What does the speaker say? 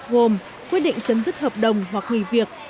gồm quyết định chấm dứt hợp đồng hoặc nghỉ việc